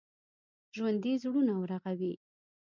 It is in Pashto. ژوندي زړونه رغوي